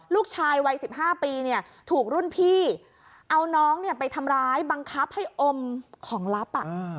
ลูกชายวัย๑๕ปีเนี่ยถูกรุ่นพี่เอาน้องไปทำร้ายบังคับให้อมของลับ